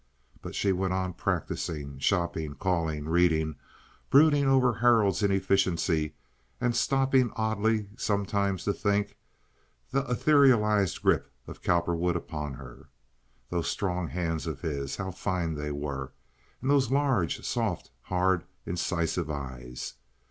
But she went on practising, shopping, calling, reading, brooding over Harold's inefficiency, and stopping oddly sometimes to think—the etherealized grip of Cowperwood upon her. Those strong hands of his—how fine they were—and those large, soft hard, incisive eyes.